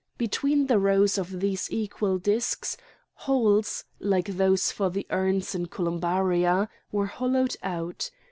Between the rows of these equal discs, holes, like those for the urns in columbaria, were hollowed out.